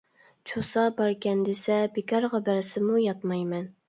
چۇسا باركەن دېسە بىكارغا بەرسىمۇ ياتمايمەن.